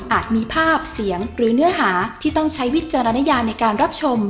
มีภาพเสียงหรือเนื้อหาที่ต้องใช้วิจารณญาในการรับชม